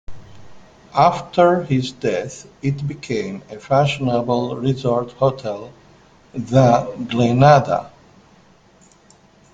After his death it became a fashionable resort hotel, The Glenada.